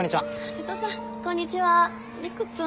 瀬戸さんこんにちは陸君。